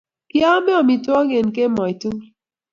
Kiamei amitwokik an kemoi tugul